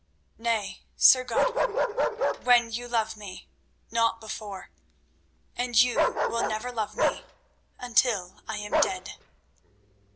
Nay, Sir Godwin; when you love me—not before; and you will never love me—until I am dead."